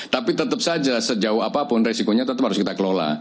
tapi tetap saja sejauh apapun resikonya tetap harus kita kelola